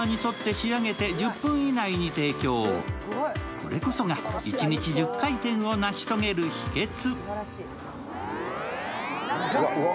これこそが、一日１０回転を成し遂げる秘けつ。